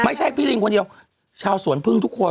พี่ลิงคนเดียวชาวสวนพึ่งทุกคน